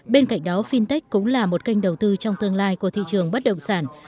bên cạnh đó fintech cũng là một kênh đầu tư trong tương lai của thị trường bất động sản